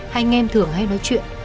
hai anh em thường hay nói chuyện